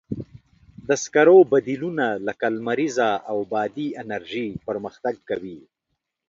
د سکرو بدیلونه لکه لمریزه او بادي انرژي پرمختګ کوي.